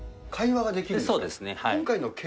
会話ができるんですか。